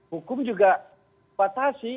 hukum juga patasi